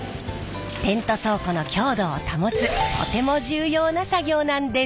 テント倉庫の強度を保つとても重要な作業なんです。